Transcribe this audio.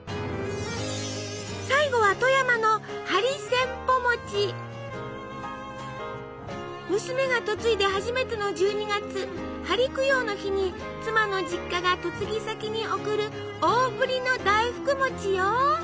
最後は富山の娘が嫁いで初めての１２月針供養の日に妻の実家が嫁ぎ先に贈る大ぶりの大福餅よ！